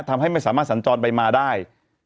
ทำให้ไม่สามารถสัญจรไปมาได้